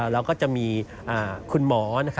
เราก็จะมีคุณหมอ